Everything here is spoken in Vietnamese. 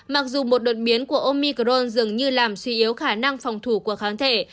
mặc dù một đột biến của omicron dường như làm suy yếu khả năng phòng thủ của kháng thể